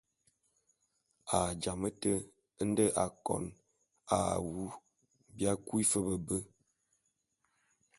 A jamé te nde akon a awu bia kui fe be be.